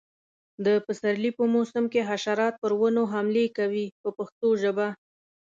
د پسرلي په موسم کې حشرات پر ونو حملې کوي په پښتو ژبه.